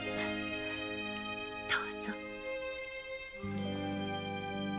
どうぞ。